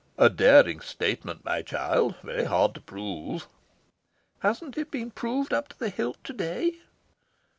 "A daring statement, my child very hard to prove." "Hasn't it been proved up to the hilt to day?"